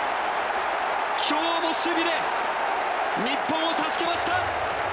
今日も守備で日本を助けました。